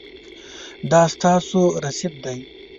دا ستاسو رسید دی